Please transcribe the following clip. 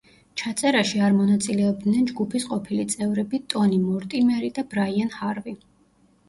ჩაწერაში არ მონაწილეობდნენ ჯგუფის ყოფილი წევრები ტონი მორტიმერი და ბრაიან ჰარვი.